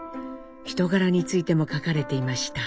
人柄についても書かれていました。